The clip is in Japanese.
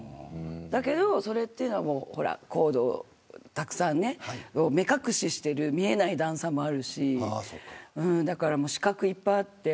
だけど、それっていうのはコードがたくさんで目隠ししている見えない段差もあるし死角いっぱいあって。